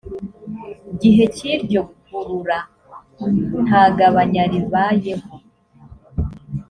gihe cy iryo gurura nta gabanya ribayeho